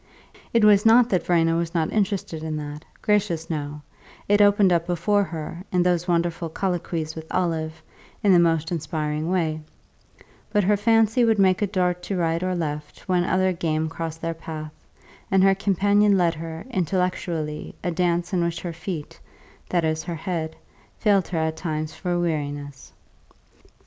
It was not that Verena was not interested in that gracious, no; it opened up before her, in those wonderful colloquies with Olive, in the most inspiring way; but her fancy would make a dart to right or left when other game crossed their path, and her companion led her, intellectually, a dance in which her feet that is, her head failed her at times for weariness.